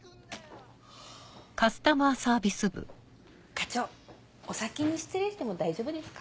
課長お先に失礼しても大丈夫ですか？